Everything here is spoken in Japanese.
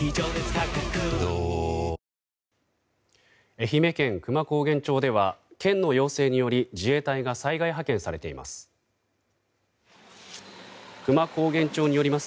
愛媛県久万高原町では県の要請により自衛隊が災害派遣されています。